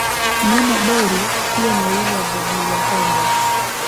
Mlima Boru pia na ile ya Bugulwahombo